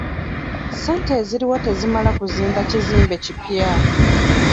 Ssente eziriwo tezimala kuzimba kizimbe kipya.